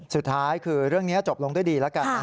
สุดท้ายคือเรื่องนี้จบลงด้วยดีแล้วกัน